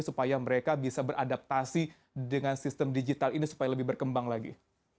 supaya mereka bisa beradaptasi dengan sistem digital ini supaya lebih berkembang lagi